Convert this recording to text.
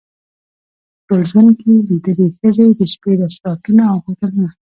په ټول ژوند کې لیدلې ښځې د شپې رستورانتونه او هوټلونه.